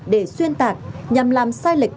để xuyên tạc nhằm làm sai lệch